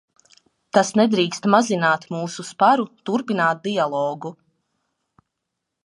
Tas nedrīkst mazināt mūsu sparu turpināt dialogu.